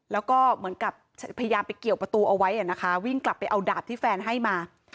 แล้วก็เหมือนกับพยายามไปเกี่ยวประตูเอาไว้นะคะวิ่งกลับไปเอาดาบที่แฟนให้มา